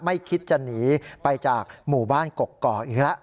ไม่คิดจะหนีไปจากหมู่บ้านกกอกอีกแล้ว